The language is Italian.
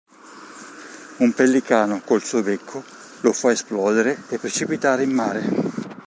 Un pellicano, col suo becco, lo fa esplodere e precipitare in mare.